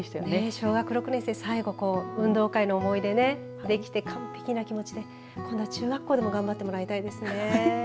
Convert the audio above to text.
小学６年生最後、運動会の思い出ができて完璧な気持ちで今度は中学校でも頑張ってもらいたいですね。